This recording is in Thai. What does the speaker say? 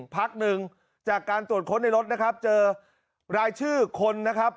พักหนึ่งจากการตรวจค้นในรถนะครับเจอรายชื่อคนนะครับ